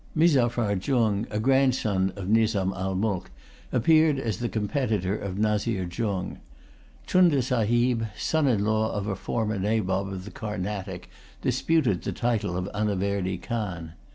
Mirzapha Jung, a grandson of Nizam al Mulk, appeared as the competitor of Nazir Jung. Chunda Sahib, son in law of a former Nabob of the Carnatic, disputed the title of Anaverdy Khan.